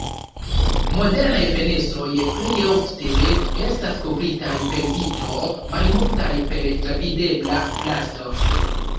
Modernaj fenestroj plejofte estas kovritaj per vitro; malmultaj per travidebla plasto.